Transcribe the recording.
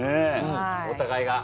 お互いが。